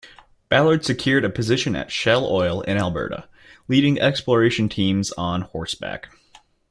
Ballard secured a position at Shell Oil in Alberta, leading exploration teams on horseback.